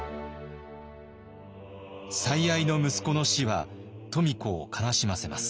最愛の息子の死は富子を悲しませます。